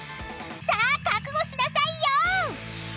［さあ覚悟しなさいよ！］